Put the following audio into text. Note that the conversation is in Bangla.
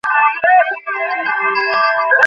সামনে একটু দূরে সোনাডাঙার মাঠের দিকে যাইবার কাঁচা সড়ক।